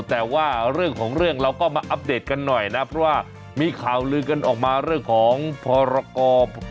แต่ว่าเรื่องของเรื่องเราก็มาอัปเดตกันหน่อยนะเพราะว่ามีข่าวลือกันออกมาเรื่องของพรกร